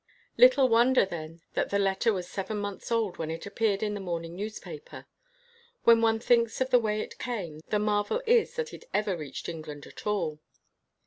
Little wonder then that the letter 2 INTERVIEW WITH A BLACK KING was seven months old when it appeared in the morning newspaper. When one thinks of the way it came, the marvel is that it ever reached England at all.